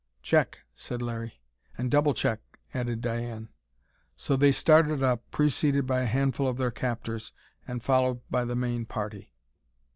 "Check!" said Larry. "And double check!" added Diane. So they started up, preceded by a handful of their captors and followed by the main party.